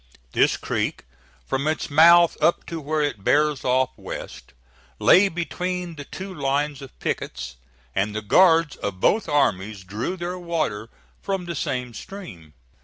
This creek, from its mouth up to where it bears off west, lay between the two lines of pickets, and the guards of both armies drew their water from the same stream.